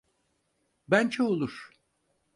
Bence olur.